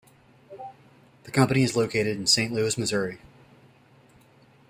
The company is located in Saint Louis, Missouri.